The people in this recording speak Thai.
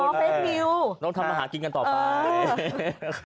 เฟคนิวต้องทำมาหากินกันต่อไป